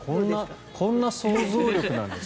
こんな想像力なんですね。